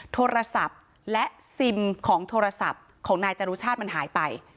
โทรศัพท์และซิมของโทรศัพท์ของนายจรุชาติมันหายไป